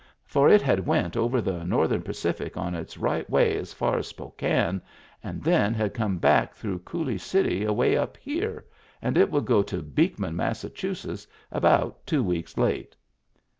For it had went over the Northern Pacific on its right way as far as Spokane, and then had come back through Coulee City away up here, and it would get to Beekman, Massachusetts, about two weeks late.